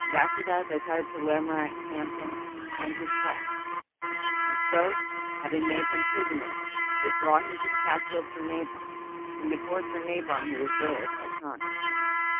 After that they tied Sir Lamorack's hands behind his back, and so, having made him prisoner, they brought him to the castle of Sir Nabon, and before Sir Nabon who was there at that time.